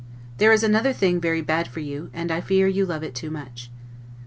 There is another thing very bad for you, and I fear you love it too much.